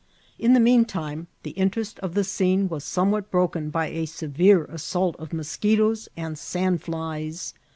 In the mean time, the interest of the scene was somewhat broken by a severe assault of moschetoes and sandflies.